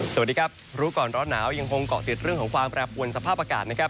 สวัสดีครับรู้ก่อนร้อนหนาวยังคงเกาะติดเรื่องของความแปรปวนสภาพอากาศนะครับ